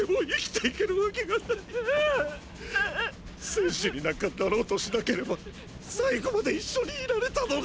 戦士になんかなろうとしなければ最期まで一緒にいられたのに！